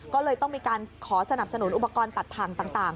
ก็เลยต้องมีการขอสนับสนุนอุปกรณ์ตัดถังต่าง